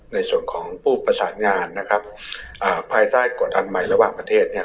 ในส่วนของผู้ประสานงานนะครับภายใต้กฎอันใหม่ระหว่างประเทศเนี่ย